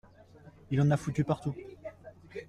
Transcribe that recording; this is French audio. Il en a foutu partout.